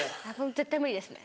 絶対無理ですね。